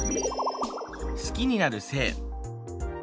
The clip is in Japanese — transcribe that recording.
好きになる性。